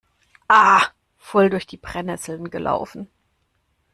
Ah, voll durch die Brennnesseln gelaufen!